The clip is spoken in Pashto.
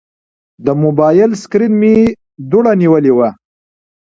د موبایل سکرین مې دوړه نیولې وه.